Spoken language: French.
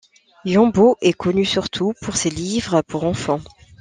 Yambo est connu surtout pour ses livres pour enfants.